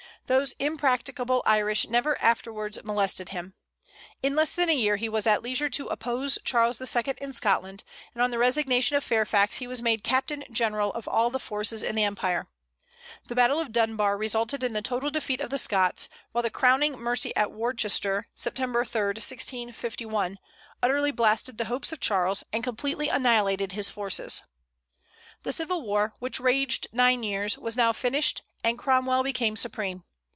Those impracticable Irish never afterwards molested him. In less than a year he was at leisure to oppose Charles II. in Scotland; and on the resignation of Fairfax he was made Captain General of all the forces in the empire. The battle of Dunbar resulted in the total defeat of the Scots; while the "crowning mercy" at Worcester, Sept. 3, 1651, utterly blasted the hopes of Charles, and completely annihilated his forces. The civil war, which raged nine years, was now finished, and Cromwell became supreme.